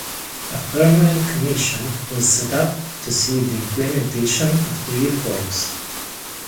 A permanent commission was set up to see the implementation of the reforms.